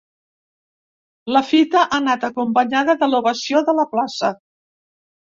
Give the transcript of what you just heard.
La fita ha anat acompanyada de l’ovació de la plaça.